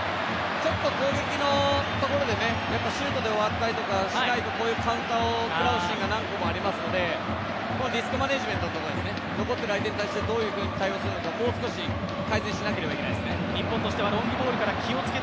ちょっと攻撃のところでシュートで終わったりしないとこういうカウンターを食らうシーンがありますので、リスクマネジメント、残っている相手に対してどういうふうに対応するのか、もう少し改善しなければいけないですね。